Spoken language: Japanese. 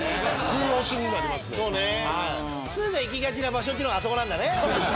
すーが行きがちな場所っていうのがあそこなんだね。